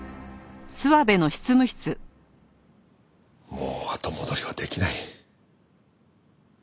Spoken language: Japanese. もう後戻りはできない。